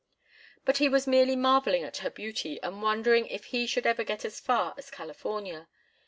But he was merely marvelling at her beauty, and wondering if he should ever get as far as California.